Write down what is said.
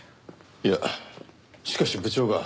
いやしかし部長が。